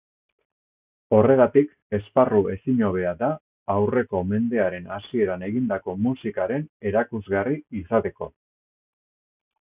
Horregatik, esparru ezin hobea da aurreko mendearen hasieran egindako musikaren erakusgarri izateko.